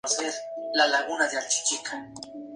La tabla carecía de quilla, que aún no se había inventado.